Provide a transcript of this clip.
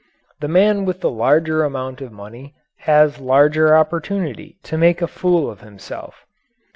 The man with the larger amount of money has larger opportunity to make a fool of himself.